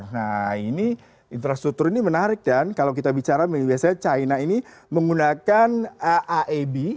nah ini infrastruktur ini menarik dan kalau kita bicara biasanya china ini menggunakan aab